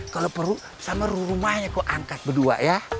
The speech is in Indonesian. kalau perlu sama rumahnya kok angkat berdua ya